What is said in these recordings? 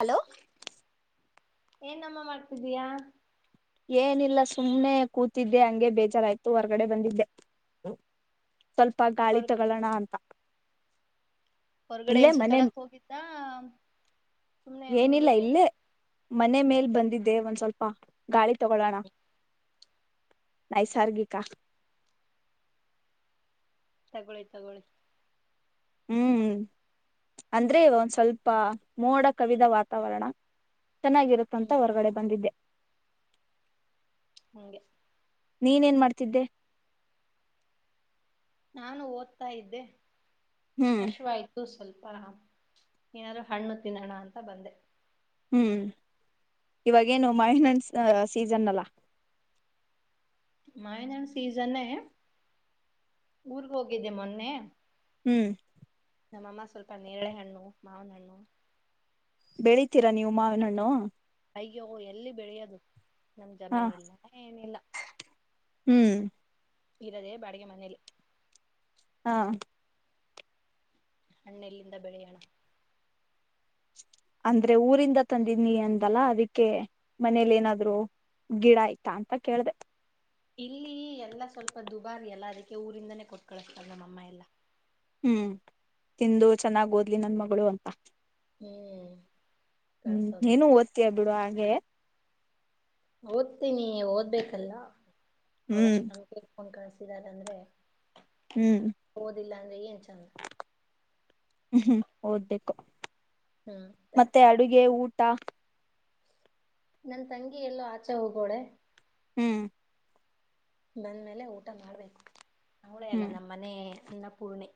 Hello ಏನಮ್ಮ ಮಾಡ್ತಿದೀಯಾ ಏನಿಲ್ಲ ಸುಮ್ನೆ ಕೂತಿದ್ದೆ ಹಂಗೆ ಬೇಜಾರಾಯ್ತು ಹೊರ್ಗಡೆ ಬಂದಿದ್ದೆ ಸ್ವಲ್ಪ ಗಾಳಿ ತಗೊಳ್ಳೋಣ ಅಂತ ಹೊರ್ಗಡೆ ಇಲ್ಲೇ ಏನ್ ಮನೆ ಸುತ್ತಡಕ್ ಹೋಗಿದ್ದ ಸುಮ್ನೆ ಏನಿಲ್ಲ ಹಂಗೆ ಇಲ್ಲೇ ಮನೆ ಮೇಲ್ ಬಂದಿದ್ದೆ ಒಂದ್ ಸ್ವಲ್ಪ ಗಾಳಿ ತಗೊಳ್ಳೋಣ ನೈಸರ್ಗಿಕ ತಗೊಳ್ಳಿ ತಗೊೊಳ್ಳಿ ಹ್ಮ್ ಅಂದ್ರೆ ಒಂದ ಸ್ವಲ್ಪ ಮೋಡ ಕವಿದ ವಾತಾವರಣ ಚೆನ್ನಾಗಿರುತ್ತ ಅಂತ ಹ್ಮ್ ಹೊರಗಡೆ ಬಂದಿದ್ದೆ ಹಗೆ ನೀನೇನ್ ಮಾಡ್ತಿದ್ದೆ ನಾನು ಓದ್ತಾ ಇದ್ದೆ ಹ್ಮ್ ಹಶ್ ಆಯ್ತು ಸ್ವಲ್ಪ ರಾಮ ಏನಾದ್ರು ಹಣ್ಣು ತಿನ್ನೋಣ ಅಂತ ಬಂದೆ ಹ್ಮ್ ಇವಾಗೇನು ಮೈನನ್ಸ್ ಸೀಸನ್ ಅಲ್ಲ ಮಯನ ಸೀಸನ್ ಊರ್ಗ ಹೋಗಿದ್ದೆ ಮೊನ್ನೆ ಹ್ಮ್ ನಮ್ಮಮ್ಮ ಸ್ವಲ್ಪ ನೇಳೆ ಹಣ್ಣು ಮಾವನ ಹಣ್ಣು ಬೆಳೀಿತೀರಾ ನೀವು ಮಾವನಣ್ಣು ಅಯ್ಯೋ ಎಲ್ಲಿ ಬೆಳೆಯೋದು ನಮ್ ಹ ಜಮೀನ ಇಲ್ಲ ಏನಿಲ್ಲ ಹ್ಮ್ ಇರದೆೇ ಬಡಿಗೆ ಮನಲ್ ಹಾ ಹಣ್ಣಲ್ಲಿಂದ ಬೆಳೆಯೋಣ ಅಂದ್ರೆ ಊರಿಂದ ತಂದಿನಿ ಅಂದಲ್ಲ ಅದಕ್ಕೆ ಮನೇಲಿ ಏನಾದ್ರು ಗಿಡ ಆಯ್ತಾ ಅಂತ ಕೇಳ್ದ ಇಲ್ಲಿ ಎಲ್ಲಾ ಸ್ವಲ್ಪ ದುಬಾರಿ ಎಲ್ಲಾ ಅದಕ್ಕೆ ಊರಿಂದಾನೇ ಕೊಟ್ಕಳಿಸ್ತಾವ ನಮ್ಮಮ್ಮ ಎಲ್ಲಾ ಹ್ಮ್ ತಿಂದು ಚೆನ್ನಾಗ್ ಓದ್ಲಿ ನನ್ ಮಗಳು ಅಂತ ಹ್ಮ್ ಹ್ಮ್ ಕಳ್ಸೋದು ಏನು ಓತಯ ಬಿಡು ಆ ಹಾಗೆ ಓದ್ತೀನಿ ಓದ್ಬೇಕಲ್ಲ ಹ್ಮ್ ಅವ್ರಷ್ಟು ನಮೆಕೊಂಡ್ ಕಾಣಸ ರ ಅಂದ್ರೆ ಹ್ಮ್ ಹದಿಲ್ಲಾ ಸ ಹ್ಮ ಹ್ಮ್ ಹೌದಬೇಕೋ ಮತ್ತೆ ಅಡುಗೆ ಊಟ ಊಟ ನನ್ ತಂಗಿ ಎಲ್ಲೋ ಆಚೆ ಹೋಗೋಡೆ ಹ್ಮ್ ಬಂದ್ಮೇಲೆ ಊಟ ಮಾಡ್ಬೇಕು ಅವಳೇ ಅಲ್ಲ ಹ್ಮ್ ನಮ್ಮ್ ಮನೆ ಅನ್ನಪೂರ್ಣೇ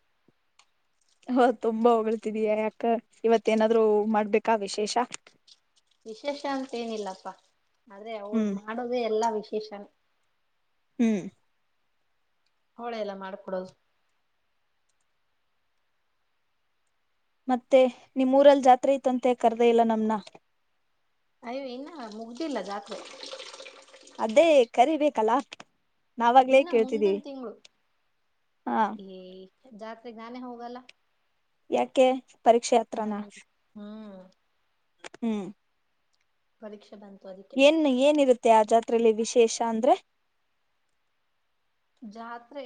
ಹ ತುಂಬಾ ಹೊಳ್ತಿದೀಯಾ ಯಾಕ ಇವತ್ತೇಏನಾದ್ರು ಮಾಡ್ಬೇಕಾ ವಿಶೇಷ ವಿಶೇಷ ಅಂತೇಏನಿಲ್ಲಪ್ಪಾ ಆದ್ರೆ ಅವ್ಳ ಹ್ಮ್ ಮಾಡೋದೇ ಎಲ್ಲಾ ವಿಷ ಕಿಷನ್ ಹ್ಮ್ ಹೋಳ ಎಲ್ಲ ಮಾಡ್ಕೊಡದು ಮತ್ತೆ ನಿಮ್ಮೂರಲ್ಲಿ ಜಾತ್ ಇತ್ತಂತೆ ಕರೆದ ಇಲ್ಲ ನಮನ ಅಯ್ಯೋ ಇನ್ನ ಮುಗ್ದಿಲ್ಲ ಜಾತ್ರೆ ಅದೇ ಕರಿಬೇಕಲ್ಲಾ ಇನ್ನು ಮುಂದನ್ ತಿಂಗಳು ಹಾ ಈ ಜಾತ್ ಸಿಗಾನೆ ಹೋಗೋಗಲ್ಲಾ ಯಕೆ ಪರೀಕ್ಷೆ ಯತ್ರನಾ ಹ್ಮ್ ಹ್ಮ್ ಪರೀಕ್ಷೆ ಬ ಏನ್ ಏನಿರುತ್ತೆ ಮತ್ತೆ ಆ ಜಾತ್ರೆಯಲ್ಲಿ ವಿಶೇಷ ಅಂದ್ರೆ ಜಾತ್ರೆ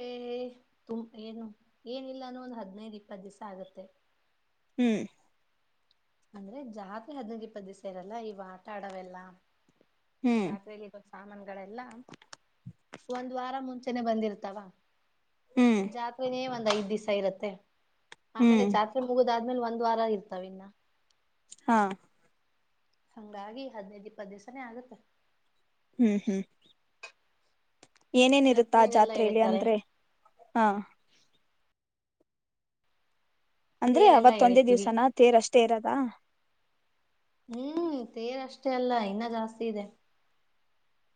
ತು ಏನು ಏನಿಲ್ಲಾನೋ ಒಂದ್ ಹದ್ನೈದು್ ಇಪ್ಪತ್ ದಿವ್ಸ ಆಗತ್ತೆ ಹ್ಮ್ ಅಂದ್ರೆ ಜಾತ್ರೆ ಹದ್ನಕ ಇಪ್ಪತ್ತು ದಿವಸ ಇರಲ್ಲ ಇವ ಆಟ ಆಡವೆಲ್ಲ ಹ್ಮ್ ಜಾತ್ರೆೆಯಲ್ಲಿ ಬ ಸಾಮಾನುಗಳೆಲ್ಲಾ ಒಂದು್ ವಾರ ಮುಂಚೆ ಬಂದಿರ್ತಾವ ಹ್ಮ್ ಜಾತ್ರೆನೇ ಬಂದು ಐದ್ ದಿವಸ ಇರುತ್ತೆ ಹ್ಮ್ ಆಮೇಲೆ ಜಾತ್ರೆ ಮುಗುದಾದ್ರೆ ಆ್ಮಲೆ ಒಂದ್ ವಾರ ಇರ್ತಾವ ಇನ್ನ ಹಾ ಹಂಗಾಗಿ ಹದ್ನೈದು್ ಇಪ್ಪತ್ತು ದಿವ್ಸಾನೇ ಆಗತ್ತೆ ಹ್ಮ್ ಹ್ಮ್ ಏನೇನ ಇರುತ್ತಾ ಆ ತೇರೆಲ್ಲಾ ಜಾತ್ರೆಯಲ್ಲಿ ಎಳಿತಾರೆ ಅಂದ್ರೆ ಹಾ ಅಂದ್ರೆ ತೇರೆಲ್ಲಾ ಅವತ್ತೊಂದೇ ಎಳಿತೀವಿ. ದಿವ್ಸಾನ ತೇರಷ್ಟೇ ತೇರದಾ ಹ್ಮ್ ತೇರ್ ಅಷ್ಟೇ ಅಲ್ಲ ಇನ್ನ ಜಾಸ್ತಿ ಇದೆ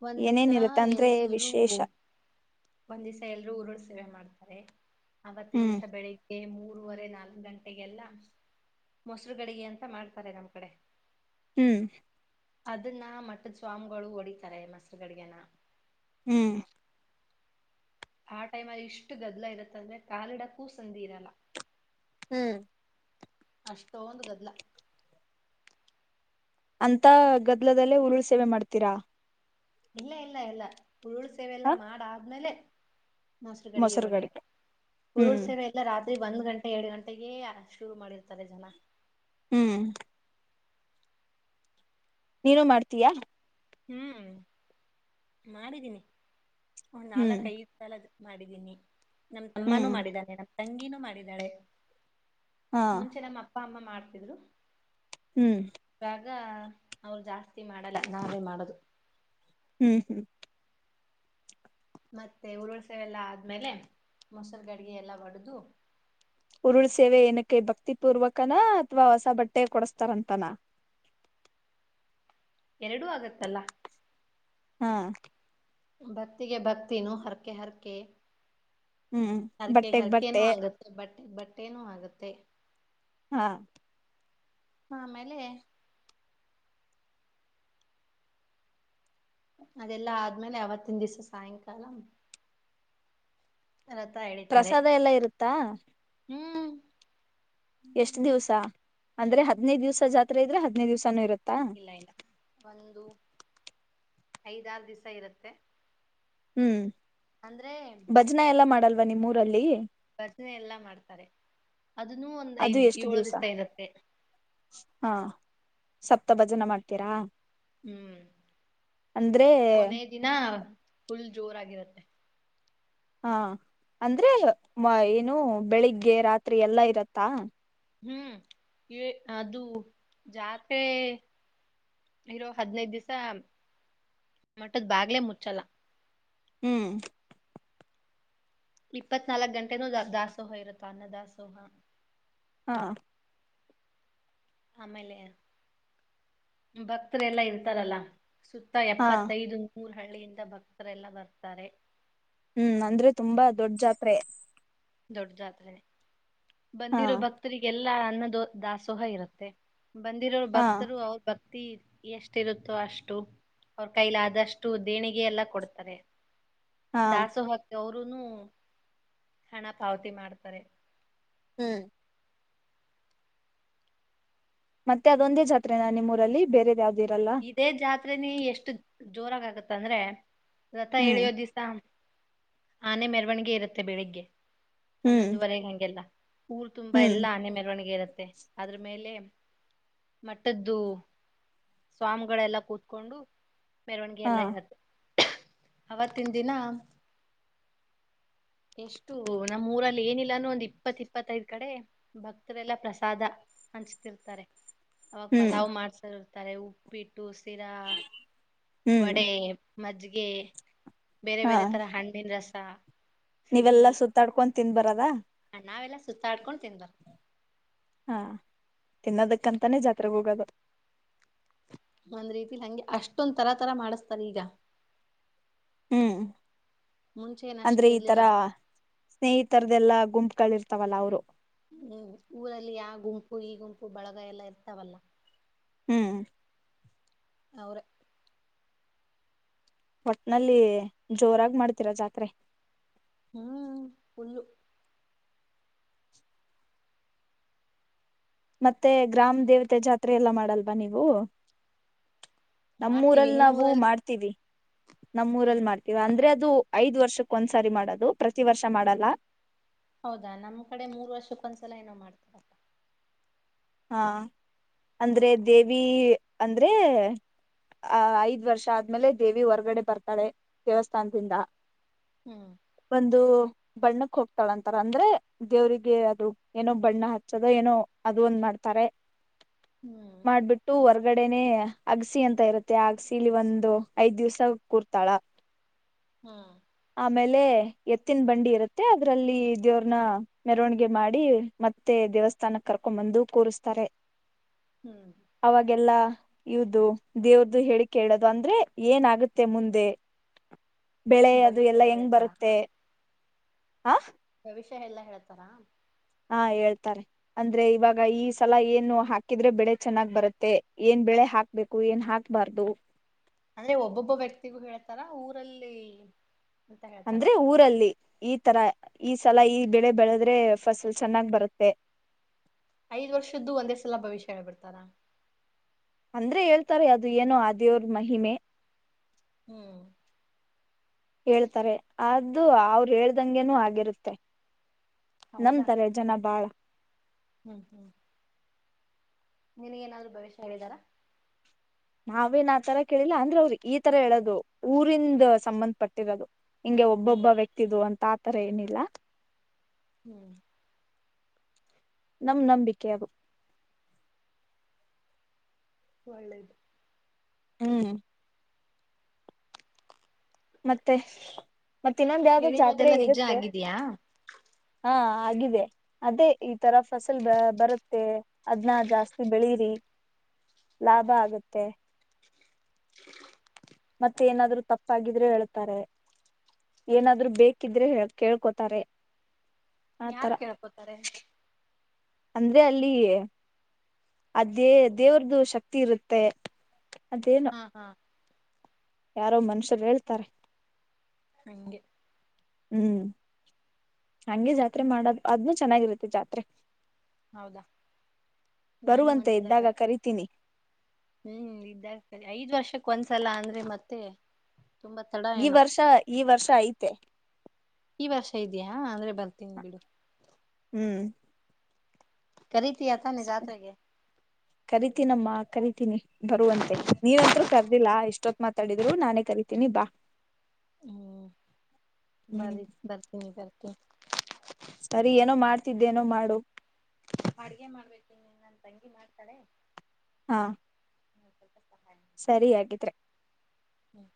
ಒಂದ್ ದಿವಿಸ ಏನೇನಿರುತ್ತೆ ಅಂದ್ರೆ ಎಲ್ರುೂ ವಿಶೇಷ ಒಂದ್ ದಿವ್ ಎಲ್ರುೂ ಉರು ಸೇವೆ ಮಾಡ್ತಾರೆ ಅವವತ್ತಿನ ಹ್ಮ್ ದಿವ್ಸ ಬೆಳಿಗ್ಗೆ ಮೂರು ಮೂವರೆ ನಾಲ್ಕು ಗಂಟೆಗೆಲ್ಲ ಮೊಸರುಗಡಿಗೆ ಅಂತ ಮಾಡ್ತಾರೆ ನಮ್ ಕಡೆ ಹ್ಮ್ ಅದನ್ನ ಮಟ್ಟ ಸ್ವಾಮಿಗಳು ಹೊಡಿತ ಾರೆ ಮಸ್ರು ಗಡಿಗೆನ ಹ್ಮ್ ಆ ಟೈಮ್ ಅಲ್ಲಿ ಇಷ್ಟು ಗದ್ಲ ಇರತ್ತ ಅಂದ್ರೆ ಕಾಲಿಡಕ್ಕೂ ಸಂದಿ ಇರಲ್ಲ. ಹ್ಮ್. ಅಷ್ಟೊಂದು ಗದ್ಲಾ. ಅಂತಾ ಗದ್ಲದಲ್ಲೇ ಉರುಳು ಸೇವೆ ಮಾಡ್ತೀರಾ. ಇಲ್ಲ ಇಲ್ಲ ಇಲ್ಲ. ಹುರುಳು ಸೇವೆ ಎಲ್ಲ ಹ ಮಾಡಾದ್ಮೇಲೆ. ನಸರುಗಡಿಗೆ ಹೊಡಿಯೋದು ಮೊಸರುಗಡಿಗೆ ಉುರುಳ ಹ್ಮ್ ಸೇವೆ ಎಲ್ಲ ರಾ. ಅದೆ ಒಂದ್ ಗಂಟೆ ಎರಡು ಗಂಟೆಗೆ ಶುರು ಮಾಡಿರ್ತಾರೆ ಜನ. ಹ್ಮ್. ನೀನು ಮಾಡ್ತೀಯಾ. ಹ್ಮ್ ಮಾಡಿದೀನಿ. ಒಂದ್ ಹ್ಮ್ ನಾಲ್ಕ ಐದ್ ಸಲ. ಮಾಡಿದ್ದೀನಿ. ನಮ್ದ ತಮ್ಮನೂ ಹ್ಮ್ ಮಾಡಿದ್ದಾನೆ. ತಂಗೀನುೂ ಮಾಡಿದಾಳೆ. ಹಾ ಮುಂಚೆನಮ್ಮ ಅಪ್ಪಾ ಅಮ್ಮ. ಮಾಡ್ತಿದ್ರು. ಹ್ಮ್. ಇವಾಗ ಅವ್ರು ಜಾಸ್ತಿ ಮಾಡಲ್ಲ ನಾವೇ ಮಾಡ. ಮಾಡದು. ಹ್ಮ್ ಹ್ಮ್. ಮತ್ತೆ ಉರುಳಸವೆ ಎಲ್ಲಾ ಆದ್ಮೇಲೆ ಮೊಸರು ಗಡ್ಗೆ ಎಲ್ಲ ಹೊಡ್ದು. ಉರುಳ ಸೇವೆ ಏನಕ್ಕೆ ಭಕ್ತಿಪೂರ್ವಕನ ಅಥವಾ ಹೊಸ ಬಟ್ಟೆ ಕೊಡಸ್ತಾರಂತನ. ಎರಡೂ ಆಗತ್ತಲ್ಲ. ಹಾ. ಭಕ್ತಿಗೆ ಭಕ್ತಿನೂ ಹರ್ಕೆ ಹರ್ಕೆ. ಹ್ಮ್ ಬಟ್ಟೆಗ್ ಬಟ್ಟೆ. ಬೆ ಬಟ್ಟೇನುೂ ಆಗತ್ತೆ. ಹಾ. ಆಮೇಲೆ. ಅದೆಲ್ಲಾ ಆದ್ಮೇಲೆ ಅವಾವತ್ತಿನ ದಿವ್ಸ ಸಾಯಂಕಾಲ. ರಥ ಎಳಿತಾರೆ ಪ್ರಸಾದ ಎಲ್ಲಾ ಇರುತ್ತಾ. ಹ್ಮ್ ಎಷ್ಟ್ ದಿವ್ಸ ಅಂದ್ರೆ ಹದ್ನೈದು ದಿವ್ಸ ಜಾತ್ರೆ ಇದ್ರೆ ಹದಿನೈದು ದಿವ್ಸಾನು ಇರುತ್ತೆ. ಇಲ್ಲ ಇಲ್ಲ ಒಂದು. ಐದಾರು ದಿವ್ಸ ಇರುತ್ತೆ. ಹ್ಮ್. ಅಂದ್ರೆ ಭಜನಾ ಎಲ್ಲ ಮಾಡಲ್. ನಿಮ್ಮೂರಲ್ಲಿ. ಭಜನೆ ಎಲ್ಲಾ ಮಾಡ್ತಾರೆ ಅದನ್ನ ಒಂದ್ ಅದು ಐದ್ ಎಷ್ಟು ಏಳು ದಿವ್ಸ ಇರುತ್ತೆ. ಹಾ ಸಪ್ತ ಭಜನೆ ಮಾಡ್ತೀರಾ ಹ್ಮ್ ಅಂದ್ರೆ ಕೊನೆ ದಿನಾ ಫುಲ್ ಜೋರಾಗಿರತ್ತೆ ಹಾ ಅಂದ್ರೆ ಮ ಏನು ಬೆಳಿಗ್ಗೆ ರಾತ್ರಿ ಎಲ್ಲ ಇರತ್ತಾ ಹ್ಮ್ ಏ ಅದು ಜಾತ್ರೆ ಇರೋ ಹದ್ನೈದ್ದಿಸಾ ಮಟದ್ ಬಾಗ್ಲೆ ಮುಚ್ಚಲ್ಲ ಹ್ಮ್ ಇಪ್ಪತ್ ನಾಲಕ್ ಗಂಟೆನೂ ದಾಸ್ ದಾಸೋಹ ಇರುತ್ ಅನ್ನ ದಾಸೋಹ ಹಾ ಆಮೇಲೆ ಭಕ್ತ್ರೆಲ್ಲ ಇರ್ತಾರಲ್ಲ ಸುತ್ತ ಹಾ ಎಪ್ಪತ್ತೈದು ಮೂರು ಹಳ್ಳಿಯಿಂದ ಭಕ್ತರೆಲ್ಲ ಬರ್ತರೆ ಹ್ಮ್ ಅಂದ್ರೆ ತುಂಬ ದೊಡ್ ಜಾತ್ರೆ ದೊಡ್ ಜಾತ್ರೆ ಹಾ ಬಂದಿರೋ ಭಕ್ತರಿಗೆಲ್ ಎಲ್ಲಾ ಅನ್ನದೋ ದಾಸೋಹ ಇರತ್ತೆ ಬಂದಿರೋರು ಹಾ ಭಕ್ತರು ಅವ್ರ್ ಭಕ್ ತೀ ಎಷ್ಟಿರುತ್ತೋ ಅಷ್ಟು ಅವ್ರ್ ಕೈಲ್ ಆದಷ್ಟು ದೇಣಿಗೆ ಎಲ್ಲ ಕೊಡ್ತರೆ ಹಾ ದಾಸೋ [unintelligible] ಗುನೂ ಹಣ ಪಾವತಿ ಮಾಡ್ತರೆ ಹ್ಮ್ ಮತ್ತೆ ಅದೊಂದೆ ಜಾತ್ರೆ ನಾ ನಿಮ್ಮೂರಲ್ಲಿ ಬೇರೆದ ಯಾವ್ದ್ ಇದೇ ಜಾತ್ ತ್ರೆನೇ ಎಷ್ಟು ಜೋರಾಗ್ ಆಗತ್ ಅಂದ್ರೆ ರಥ ಹ್ಮ್ ಎಳಿಯೋ ದಿವ್ಸಾ ಆನೆ ಮೆರವಣಿಗೆ ಇರುತ್ತೆ ಬೆಳಿಗ್ಗೆ ಹ್ಮ್ ಹನ್ನೊಂದುವರೆಗೆ ಹಂಗೆಲ್ಲ ಊರ್ ತುಂಬ ಹ್ಮ್ ಎಲ್ಲ ಆನೆ ಮೆರವಣಿಗೆ ಇರುತ್ತೆ ಅದ್ರು ಮೇಲೆ ಮಠದ್ದು ಸ್ವಾಮ್ಗಳೆಲ್ಲ ಕೂತ್ಕೊಂಡು ಮೆರವಣಿಗೆ ಹಾ ಎಲ್ಲ ಇರತ್ತೆ ಅವತ್ತಿನ್ ದಿನಾ ಎಷ್ಟು ನಮ್ ಊರಲ್ಲಿ ಏನಿಲ್ಲಾನೂ ಒಂದು ಇಪ್ಪತ್ ಇಪ್ಪತೈದ್ ಕಡೆ ಭಕ್ತರೆಲ್ಲ ಪ್ರಸಾದ ಹಂಚ್ತಿರ್ತರೆ ಅವಾಗ್ ಹ್ಮ್ ಪಲಾವ್ ಮಾಡ್ಸರ್ ತರೆ ಉಪ್ಪಿಟ್ ಟ್ಟು ಸಿರಾ ಹ್ಮ್ ವಡೆ ಮಜ್ಗೆ ಬೇರೆ ಹಾ ಬೇರೆ ತರ ಹಣ್ಣಿನ್ ರಸ ಸಿಹಿ ನೀವೆಲ್ಲಾ ಸುತ್ತಾಡ್ಕೊ ತಿನ್ ಬರದಾ ನಾವೆಲ್ಲಾ ಸುತ್ತಾಡ್ಕೊಂಡ ತಿನ್ಬಾರ ಹಾ ತಿನ್ನೋದಕ್ಕಂತಾನೇ ಜಾತ್ರೆಗೆ ಹೋಗೋದು ಒಂದ್ ರೀತಿಲಿ ಹಂಗೆ ಅಷ್ಟೊಂದ ತರಾ ತರ ಮಾಡಿಸತಾರೆ ಈಗ ಹ್ಮ್ ಮುಂಚೆ ಏನ್ ಅಷ್ಟ ಅಂದ್ರೆ ಈ ತರ ಇರ್ಲಿಲ್ಲ ಸ್ನೇಹಿತರದೆಲ್ಲಾ ಗುಂಪ ಮಕ್ಕಳ ಇರ್ತವಲ್ಲ ಅವ್ರು ಹ್ಮ್ ಊರಲ್ಲಿ ಯಾವ ಗುಂಪು ಈ ಗುಂಪು ಬಳಗ ಎಲ್ಲ ಇರ್ತಾವಲ್ಲ ಹ್ಮ್ ಅವ್ರ ಒಟ್ನಲ್ಲಿ ಜೋರಾಗಿ ಮಾಡ್ತೀರ ಜಾತ್ರೆ ಹ್ಮ್ ಫುಲು ಮತ್ತೆ ಗ್ರಾಮ ದೇವತೆ ಜಾತ್ರೆ ಎಲ್ಲಾ ಮಾಡಲ್ವಾ ನೀವು ಮಾಡ್ತೀವಿ ನಮ್ಮೂರಲ್ಲಿ ನಿಮ್ ನಾವು ಊರಲ್ಲಿ ಮಾಡ್ತೀವಿ ನಮ್ಮ್ ಊರಲ್ಲಿ ಮಾಡ್ತೀವ ಅಂದ್ರೆ ಅದ ಐದ್ದು ಐದ್ ವರ್ಷಕ್ಕ ಒಂದ್ಸರಿ ಮಾಡದು ಪ್ರತಿ ವರ್ಷ ಮಾಡಲ್ಲ ಹೌದಾ ನಮ್ ಕಡೆ ಮೂರ್ ವರ್ಷಕ್ಕೊಂದ್ಸಲ ಏನೋ ಮಾಡ್ತಾರಪ್ಪ ಹಾ ಅಂದ್ರೆ ದೇವಿ ಅಂದ್ರೆ ಆ ಐದ್ ವರ್ಷ ಆದ್ಮೇಲೆ ದೇವಿ ಹೊರ್ಗಡೆ ಬರ್ತಾಳೆ ದೇವಸ್ಥಾನದಿಂದ ಹ್ಮ್ ಒಂದು ಬಣ್ಣಕ್ ಹೋಗ್ತಾಳ ಅಂತಾರ ಅಂದ್ರೆ ದೇವ್ರಿಗೆ ಅದು ಏನೋ ಬಣ್ಣ ಹಚ್ಚದಾ ಏನೋ ಅದ ಒಂದ್ ಮಾಡ್ ತಾರೆ ಹ್ಮ್ ಮಾಡ್ಬಿಟ್ಟು ಹೊರ ಹೊರಗಡೆನೆ ಅಗಸಿ ಅಂತ ಇರುತ್ತೆ ಅಗಸಿ ಇಲ್ಲಿ ಒಂದು ಐದ್ ದಿವ್ಸ ಕೂರ್ತಾಳ ಹ್ಮ ಆಮೇಲೆ ಎತ್ತಿನ ಬಂಡಿ ಇರುತ್ತೆ ಅದ್ರಲ್ಲಿ ದೇವ್ರನ್ನ ಮೆರವಣಿಗೆ ಮಾಡಿ ಮತ್ತೆ ದೇವಸ್ಥಾನಕ್ಕೆ ಕರ್ಕೊಂಡ್ ಬಂದು ಕೂರಸ್ತಾರೆ ಹ್ಮ್ ಅವಾಗೆಲ್ಲಾ ಇದು ದೇವ್ರ್ದ ಹೇಳಿಿಕೇಳೋದು ಅಂದ್ರೆ ಏನಾಗುತ್ತೆ ಮುಂದೆ ಬೆಳೆ ಅದು ಭವಿಷ್ಯ ಎಲ್ಲಾ ಎಲ್ಲ ಹೆಂಗ್ ಹೇಳ್ತಾರ ಬರತ್ತೆ ಹಾ ವಿಷಾ ಎಲ್ಲಾ ಹೇಳ್ತಾರಾ ಹಾ ಹೇಳ್ತಾರೆ ಅಂದ್ರೆ ಇವಾಗ ಈ ಸಲ ಏನು ಹಾಕಿದ್ರೆ ಬೆಳೆ ಚೆನ್ನಾಗ್ ಬರತ್ತೆ ಏನ್ ಬೆಳೆ ಹಾಕ್ಬೇಕು ಏನ್ ಹಾಕ್ಬಾರ್ದು ಅಂದ್ರೆ ಒಬ್ಬೊಬ್ಬ ವ್ಯಕ್ತಿಗೂ ಹೇಳ್ತಾರ ಊರಲ್ಲಿ ಅಂತ ಹೇಳ್ತಾರ ಅಂದ್ರೆ ಊರಲ್ಲಿ ಈ ತರ ಈ ಸಲ ಈ ಬೆಳೆ ಬೆಳೆದ್ರೆ ಫಸಲ್ ಚೆನ್ನಾಗ್ ಬರತ್ತೆ ಐದ್ ವರ್ಷದ್ದು ಒಂದೇ ಸಲ ಭವಿಷ್ಯ ಹೇಳೇಳ್ಬಿಡ್ತಾರ ಅಂದ್ರೆ ಹೇಳ್ತಾರೆ ಅದು ಏನೋ ಆದ ದೇವ್ರ ಮಹಿಮೆ ಹ್ಮ್ ಹೇಳ್ತಾರೆ ಅದು ಅವರು ಹೇಳ್ದಂಗೆನೂ ಆಗಿರುತ್ತೆ ಹೌದಾ ನಮ್ತಾರೆ ಜನ ಬಾಳ ಹ್ಮ್ ಹ್ಮ್ ನಿನಗ್ ಏನಾದ್ರು ಭವಿಷ್ಯ ಹೇಳಿದಾರಾ ನಾವೇನ್ ಆ ತರ ಕೇಳಿಲ್ಲ ಅಂದ್ರ ಅವ್ರಿ ಈ ತರ ಹೇಳೋದು ಊರಿಂದ ಸಂಬಂಧ ಪಟ್ಟಿರೋದು ಹಿಂಗೆ ಹ್ಮ್ ಒಬ್ಬೊಬ್ಬ ವ್ಯಕ್ತಿದು ಅಂತ ಆ ತರ ಏನಿಲ್ಲ ಹ್ಮ್ ನಮ್ ನಂಬಿಕೆ ಅದು ಒಳ್ಳೇದು ಹ್ಮ್ ಮತ್ತೆ ಮತ್ತ ಇನ್ನೊಂದ ಯಾವ್ದ ಜಾತ್ರೆ ಹೇಳಿರೋದೆಲ್ಲಾ ನಿಜ ಇರುತ್ತೆ ಆಗಿದಯಾ ಹಾ ಆಗಿದೆ ಅದೇ ಈ ತರ ಫಸಲ್ ಬ ಬರುತ್ತೆ ಅದನ್ನ ಜಾಸ್ತಿ ಬೆಳಿರಿ ಲಾಭ ಆಗತ್ತೆ ಮತ್ತೆ ಏನಾದ್ರು ತಪ್ಪಾಗಿದ್ರೆ ಹೇಳ್ತಾರೆ ಏನಾದ್ರು ಬೇಕಿದ್ರೆ ಕೇಳ್ಕೋತಾರೆ ಆತರ ಯಾರ್ು ಕೇಳ್ಕೊತಾರೆ ಅಂದ್ರೆ ಅಲ್ಲಿ ಅ ದೇ ದೇವ್ರ್ದು ಶಕ್ತಿ ಇರುತ್ತೆ ಅದೇನೋ ಹಾ ಹಾ ಯಾರೋ ಮನುಷ್ಯರು ಹೇಳ್ತಾರೆ ಹಗೆ ಹ್ಮ್ ಹಂಗೆ ಜಾತ್ರೆ ಮಾಡದು ಅದ್ನ್ನು ಚೆನ್ನಾಗಿರುತ್ತೆ ಜಾತ್ರೆ ಹೌದಾ ನಾನು ಬರುವಂತೆ ಒಂದ್ಸಲ ಇದ್ದಾಗ ಬರ್ ಕರಿತೀನಿ ಹ್ಮ್ ಇದ್ದಾಗ ಐದ್ ವರ್ಷ ಒಂದ್ಸಲ ಅಂದ್ರೆ ಮತ್ತೆ ತುಂಬಾ ತಡ ಈ ಏನೋ ವರ್ಷ ಈ ವರ್ಷ ಐತೆ ಈ ವರ್ಷ ಇದ್ಯಾಾ ಅಂದ್ರೆ ಬರ್ತೀನ್ಿ ಬಿಡು ಹ್ಮ್ ಕರಿ ಅಥಾನ ಜತ್ಗೆ ಕರಿೀತೀನಮ್ಮ ಕರಿತೀನಿ ಬರುವಂತೆ ನೀನಂತತ್ರ ಕರ್ದಿಲ್ಲಾ ಎಷ್ಟೊತ್ ಮಾತಾಡಿದ್ರು ನಾನೇ ಕರಿತೀನಿ ಬಾ ಹ್ಮ್ ಹ್ಮ್ ಬಾರಿ ಬರ್ತೀ ನೀ ಬರ್ ಓಕ ಸರಿ ಏನೋ ಮಾಡ್ತಿದ್ದೆ ನೋ ಮಾಡು ಅಡ್ಗೆ ಮಾಡ್ಬೇಕ ಇನ್ನು ನನ್ನ ತಂಗಿ ಮಾಡ್ತಾಳೆ ಹಾ ಹ ಸರಿಯಾಗಿದ್ರೆ ಹ್ಮ್